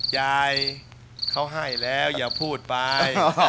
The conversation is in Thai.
ยายเขาให้แล้วอย่าพูดไป